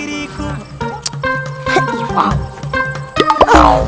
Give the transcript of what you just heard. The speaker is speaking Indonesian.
itu dia itu dia